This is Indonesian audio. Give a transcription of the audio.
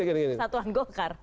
bukan persatuan golkar